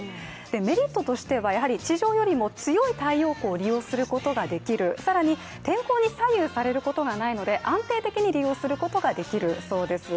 メリットとしては、地上よりも強い太陽光を利用することができる、更に天候に左右されることがないので安定的に利用することができるそうです。